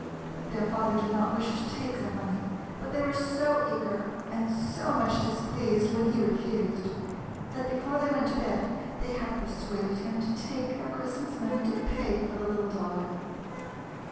Their father did not wish to take their money, but they were so eager, and so much displeased when he refused, that before they went to bed they had persuaded him to take their Christmas money to pay for the little dog.